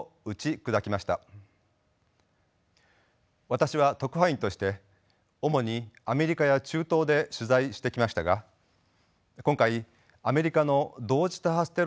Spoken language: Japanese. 私は特派員として主にアメリカや中東で取材してきましたが今回アメリカの同時多発テロ事件の時と同じように